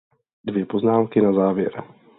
Dvě poznámky na závěr.